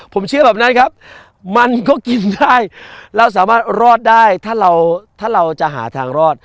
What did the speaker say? ผมเชื่อแบบนั้นครับมันก็กินได้เราสามารถรอดได้ถ้าเราถ้าเราจะหาทางรอด